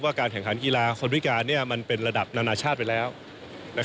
การแข่งขันกีฬาคนพิการมันเป็นระดับนานาชาติไปแล้ว